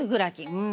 うん。